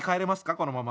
このまま。